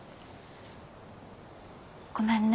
ごめんね。